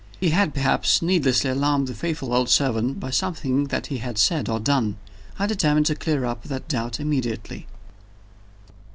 He had perhaps needlessly alarmed the faithful old servant by something that he had said or done. I determined to clear up that doubt immediately.